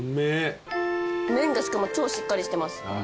麺がしかも超しっかりしてます。